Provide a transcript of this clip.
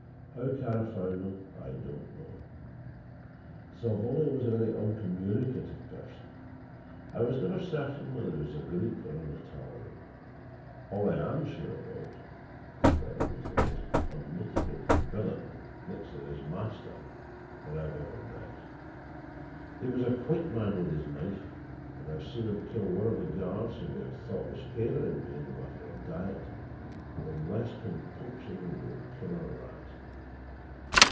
How Kara found him I don't know. Salvolio was a very uncommunicative person. I was never certain whether he was a Greek or an Italian. All that I am sure about is that he was the most unmitigated villain next to his master that I have ever met. "He was a quick man with his knife and I have seen him kill one of the guards whom he had thought was favouring me in the matter of diet with less compunction than you would kill a rat.